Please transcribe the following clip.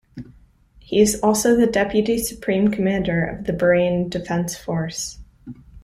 He is also the deputy Supreme Commander of the Bahrain Defense Force.